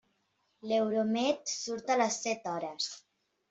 L'Euromed surt a les set hores.